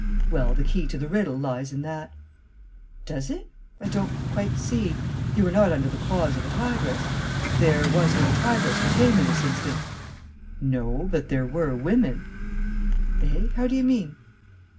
"Well, the key to the riddle lies in that." "Does it? I don't quite see. You were not under the claws of a tigress. There, was no tigress to tame in this instance." "No, but there were women." "Eh? How do you mean?"